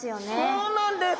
そうなんです。